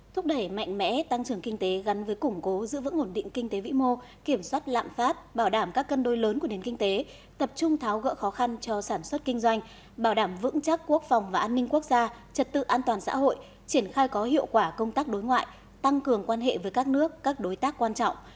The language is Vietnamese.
thúc đẩy mạnh mẽ tăng trưởng kinh tế gắn với củng cố giữ vững ổn định kinh tế vĩ mô kiểm soát lạm phát bảo đảm các cân đôi lớn của nền kinh tế tập trung tháo gỡ khó khăn cho sản xuất kinh doanh bảo đảm vững chắc quốc phòng và an ninh quốc gia trật tự an toàn xã hội triển khai có hiệu quả công tác đối ngoại tăng cường quan hệ với các nước các đối tác quan trọng